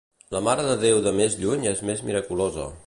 La Mare de Déu de més lluny és més miraculosa.